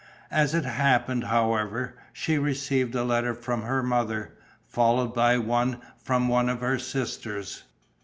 As it happened, however, she received a letter from her mother, followed by one from one of her sisters.